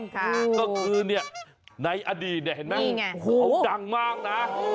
ก็คือเนี่ยในอดีตเนี่ยเห็นไหมเขาดังมากนะ